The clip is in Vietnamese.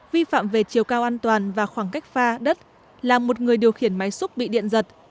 vi phạm về chiều cao an toàn và khoảng cách pha đất làm một người điều khiển máy xúc bị điện giật